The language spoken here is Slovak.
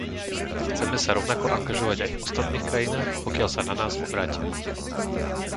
Chceme sa rovnako angažovať aj v ostatných krajinách, pokiaľ sa na nás obrátia.